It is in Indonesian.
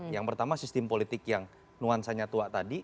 yang pertama sistem politik yang nuansanya tua tadi